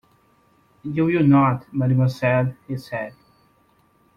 "You will not, mademoiselle," he said.